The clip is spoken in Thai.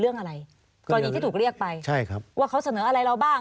รเลือกไปค่ะว่าเขาเสนออะไรเราบ้าง